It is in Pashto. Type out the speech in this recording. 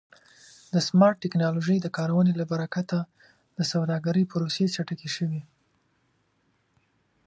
د سمارټ ټکنالوژۍ د کارونې له برکت د سوداګرۍ پروسې چټکې شوې.